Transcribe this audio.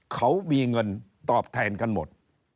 เขามีเงินตอบแทนกันหมด